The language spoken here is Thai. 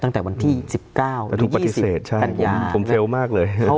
ตั้งแต่วันที่๑๙หรือ๒๐กันอย่างนะครับใช่ผมเฟลมากเลย